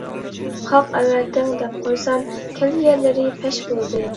قاق ئەۋەتىڭ دەپ قويسام، كەلگەنلىرى پەش بولدى.